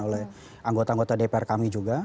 oleh anggota anggota dpr kami juga